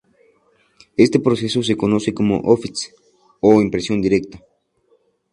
Este proceso se conoce como "Offset" o impresión directa.